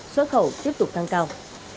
xuất khẩu tiếp tục tăng cao